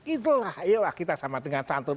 itulah ayolah kita sama dengan santun